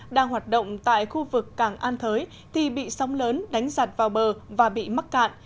đang hoạt động tại khu vực cảng an thới thì bị sóng lớn đánh giặt vào bờ và bị mắc cạn